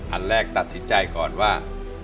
อันแรกตัดสินใจก่อนว่า